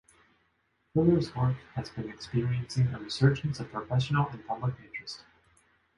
Fuller's work has been experiencing a resurgence of professional and public interest.